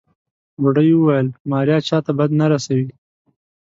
بوډۍ وويل ماريا چاته بد نه رسوي.